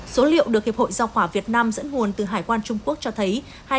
số liệu được hiệp hội giao hỏa việt nam dẫn nguồn từ hải quan trung quốc cho thấy